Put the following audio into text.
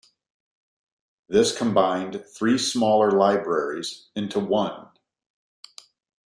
This combined three smaller libraries into one.